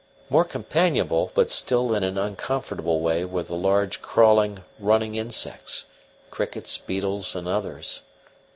More companionable, but still in an uncomfortable way, were the large crawling, running insects crickets, beetles, and others.